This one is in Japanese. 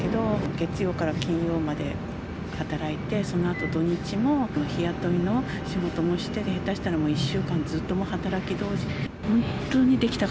月曜から金曜まで働いて、そのあと土日も日雇いの仕事もして、下手したらもう１週間ずっと働き通し。